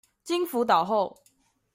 經輔導後